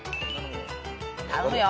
頼むよ。